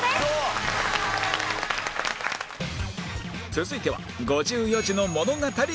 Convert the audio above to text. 続いては５４字の物語クイズ